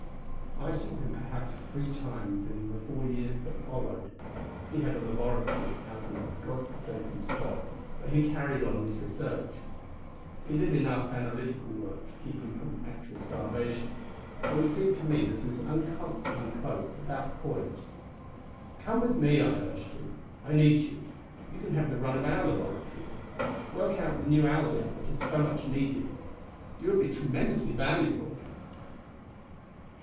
I saw him perhaps three times in the four years that followed. He had a laboratory out in a God forsaken spot where he carried on his research. He did enough analytical work to keep him from actual starvation, though it seemed to me that he was uncomfortably close to that point. "Come with me," I urged him; "I need you. You can have the run of our laboratories work out the new alloys that are so much needed. You would be tremendously valuable."